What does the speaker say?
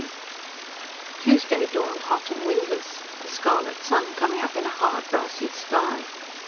VII Tuesday dawned hot and windless, a scarlet sun coming up in a hard, brassy sky.